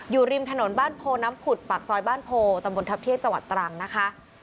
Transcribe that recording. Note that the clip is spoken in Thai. อยู่ริมถนนบ้านโพน้ำผุดปากซอยบ้านโพตำบลทัพเที่ยงจังหวัดตรังนะคะ